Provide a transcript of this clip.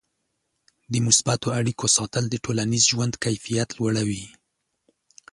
د مثبتو اړیکو ساتل د ټولنیز ژوند کیفیت لوړوي.